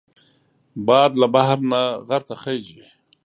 باد له بحر نه غر ته خېژي